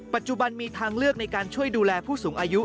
ปัจจุบันมีทางเลือกในการช่วยดูแลผู้สูงอายุ